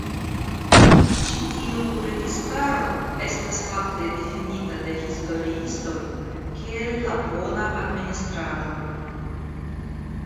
Ĉi tiu registaro estas fakte difinita de historiistoj kiel la "bona "administrado".